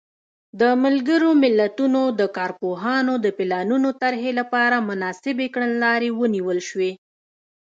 د ملګرو ملتونو د کارپوهانو د پلانونو طرحې لپاره مناسبې کړنلارې ونیول شوې.